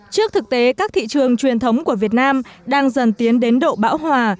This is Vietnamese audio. trước thực tế các thị trường truyền thống của việt nam đang dần tiến đến độ bão hòa